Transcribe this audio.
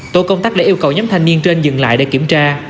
tổ công tác đã yêu cầu nhóm thanh niên trên dừng lại để kiểm tra